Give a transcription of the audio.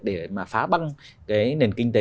để mà phá băng cái nền kinh tế